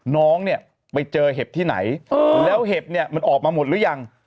น้องเนี่ยไปเจอเห็บที่ไหนแล้วเห็บเนี่ยมันออกมาหมดหรือยัง